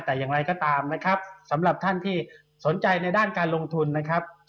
แต่อย่างไรก็ตามนะครับสำหรับท่านที่สนใจในด้านการลงทุนนะครับ